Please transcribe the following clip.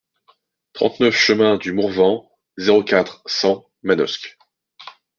trente-neuf chemin du Mourvenc, zéro quatre, cent Manosque